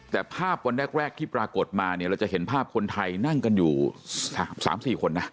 แต่ภาพวันแรกที่ปรากฏมาเนี่ยเราจะเห็นภาพคนไทยนั่งกันอยู่๓๔คนนะ